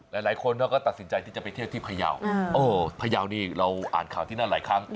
หลายคนเขาก็ตัดสินใจที่จะไปเที่ยวที่พยาวพยาวนี่เราอ่านข่าวที่นั่นหลายครั้ง